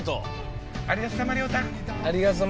「ありがとう」。